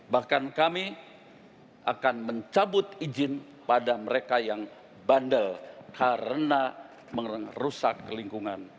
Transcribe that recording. bahkan kami akan mencabut izin pada mereka yang bandel karena merusak lingkungan